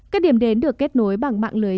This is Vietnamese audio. các điểm đến được kết nối bằng mạng lưới